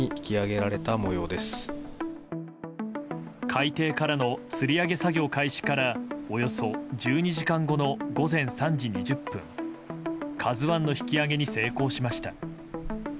海底からのつり上げ作業開始からおよそ１２時間後の午前３時２０分「ＫＡＺＵ１」の引き揚げに成功しました。